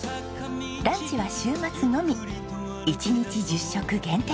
ランチは週末のみ一日１０食限定です。